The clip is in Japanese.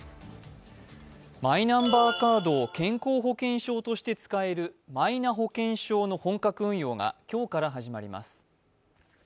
マイナンバーカードを健康保険証として使えるマイナ保険証の本格運用が今日から始まります。